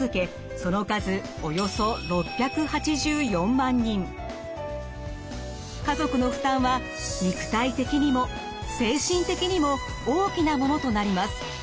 その数家族の負担は肉体的にも精神的にも大きなものとなります。